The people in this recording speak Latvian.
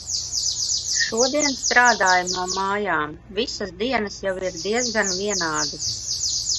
Šodien strādāju no mājām. Visas dienas jau ir diezgan vienādas.